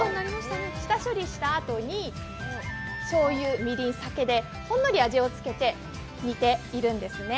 下処理したあとにしょうゆ、みりん、酒でほんのり味をつけて煮ているんですね。